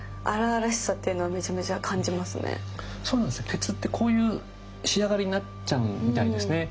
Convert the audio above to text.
鉄ってこういう仕上がりになっちゃうみたいですね。